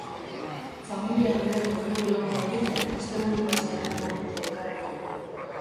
Familia bereko hiru belaunaldik asteburu-pasa egingo dute elkarrekin.